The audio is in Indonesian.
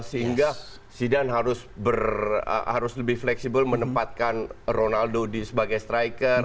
sehingga zidan harus lebih fleksibel menempatkan ronaldo sebagai striker